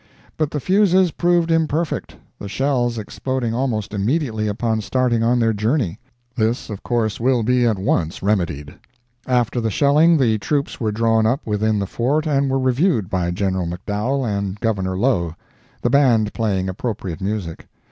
But the fuses proved imperfect, the shells exploding almost immediately upon starting on their journey. This of course will be at once remedied. After the shelling, the troops were drawn up within the Fort and were reviewed by General McDowell and Governor Low; the Band playing appropriate music.